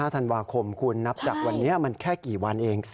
ธันวาคมคุณนับจากวันนี้มันแค่กี่วันเอง